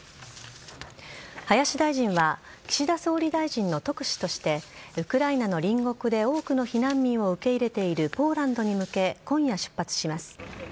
林大臣は岸田総理大臣の特使としてウクライナの隣国で多くの避難民を受け入れているポーランドに向け今夜、出発します。